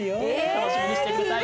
楽しみにして下さい。